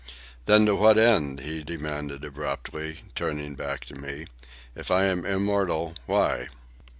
"Then to what end?" he demanded abruptly, turning back to me. "If I am immortal—why?"